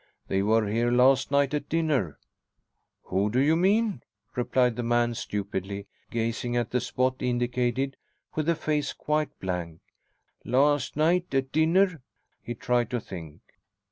"They were here last night at dinner." "Who do you mean?" replied the man, stupidly, gazing at the spot indicated with a face quite blank. "Last night at dinner?" He tried to think.